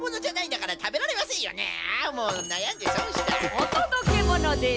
おとどけものです。